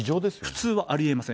普通はありえません。